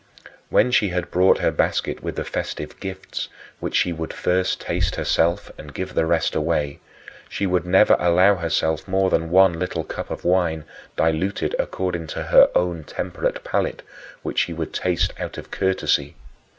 When she had brought her basket with the festive gifts, which she would taste first herself and give the rest away, she would never allow herself more than one little cup of wine, diluted according to her own temperate palate, which she would taste out of courtesy.